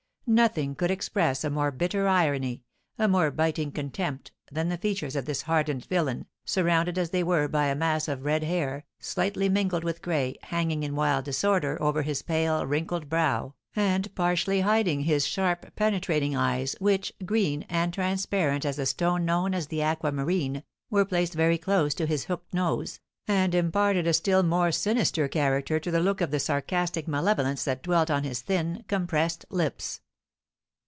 Nothing could express a more bitter irony, a more biting contempt, than the features of this hardened villain, surrounded as they were by a mass of red hair, slightly mingled with gray, hanging in wild disorder over his pale, wrinkled brow, and partially hiding his sharp, penetrating eyes, which, green and transparent as the stone known as the aqua marine, were placed very close to his hooked nose, and imparted a still more sinister character to the look of sarcastic malevolence that dwelt on his thin, compressed lips.